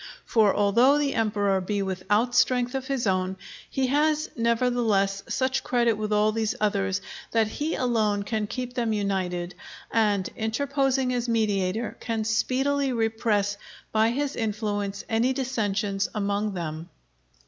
For although the Emperor be without strength of his own, he has nevertheless such credit with all these others that he alone can keep them united, and, interposing as mediator, can speedily repress by his influence any dissensions among them.